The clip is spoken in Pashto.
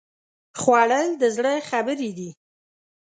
خوړل د زړه خبرې دي